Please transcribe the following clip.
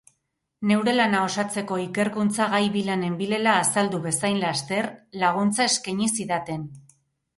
Neure lana osatzeko ikerkuntza gai bila nenbilela azaldu bezain laster, laguntza eskaini zidaten.